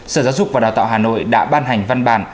sở giáo dục và đào tạo hà nội đã ban hành văn bản